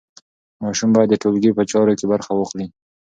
ماشوم باید د ټولګي په چارو کې برخه واخلي.